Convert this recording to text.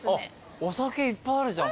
お酒いっぱいあるじゃん。